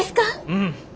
うん。